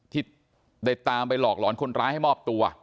ที่ได้ตามไปหลอกหลอนคนร้ายให้มอบตัว